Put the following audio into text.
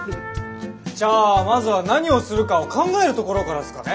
じゃあまずは何をするかを考えるところからすかね。